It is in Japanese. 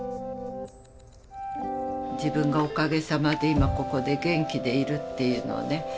自分がおかげさまで今ここで元気でいるっていうのはね